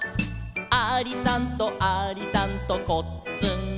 「ありさんとありさんとこっつんこ」